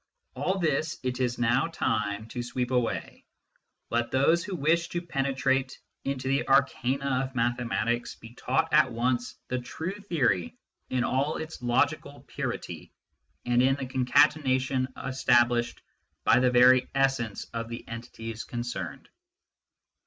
All this it is now time to sweep away ; let those who wish to penetrate into the arcana of mathematics be taught at once the true theory in all its logical purity, and in the concatenation established by the very essence of the entities concerned.